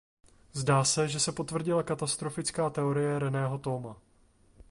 Zdá se, že se potvrdila katastrofická teorie Reného Thoma.